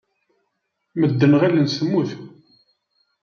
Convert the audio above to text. Medden ɣilen-tt temmut.